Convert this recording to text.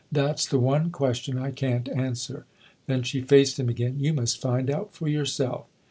" That's the one question I can't answer." Then she faced him again. "You must find out for yourself."